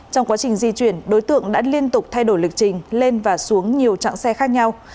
trong quá trình di chuyển đối tượng đã liên tục thay đổi lịch trình lên và xuống nhiều chặng xe khác nhau